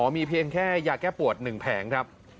อ๋อมีเพียงแค่ยาแก้ปวดหนึ่งแผงครับ